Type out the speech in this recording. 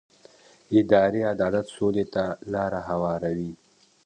اداري عدالت سولې ته لاره هواروي